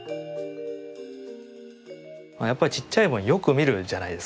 やっぱりちっちゃいもんよく見るじゃないですか。